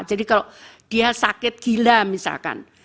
jadi kalau dia sakit gila misalkan